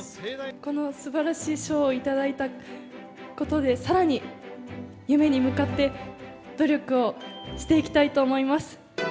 このすばらしい賞を頂いたことで、さらに夢に向かって、努力をしていきたいと思います。